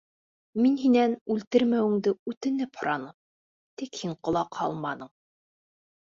Мин һинән үлтермәүеңде үтенеп һораным, тик һин ҡолаҡ һалманың.